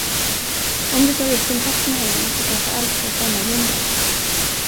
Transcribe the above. Om du tagit kontakt med honom så kanske allt gått annorlunda.